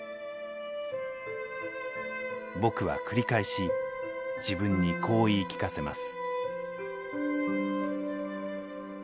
僕は繰り返し自分にこう言い聞かせます。